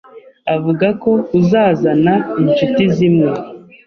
Avuga ko uzazana inshuti zimwe.